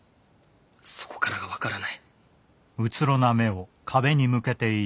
そこからが分からない。